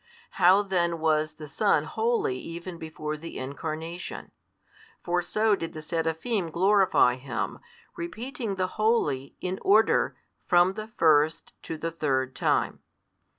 How then was the Son holy even before the Incarnation? for so did the Seraphim glorify Him, repeating the Holy, in order, from the first to the third time.